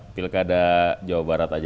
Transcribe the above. pilkada jawa barat